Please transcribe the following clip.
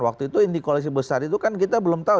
waktu itu inti koalisi besar itu kan kita belum tahu